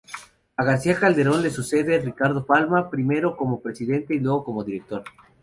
A García Calderón le sucede Ricardo Palma, primero como presidente y luego como director.